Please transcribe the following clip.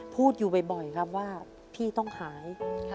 พูดอยู่บ่อยครับว่าพี่ต้องหาย